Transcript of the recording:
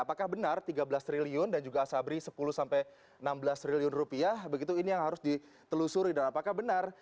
apakah benar tiga belas triliun dan juga asabri sepuluh sampai enam belas triliun rupiah begitu ini yang harus ditelusuri dan apakah benar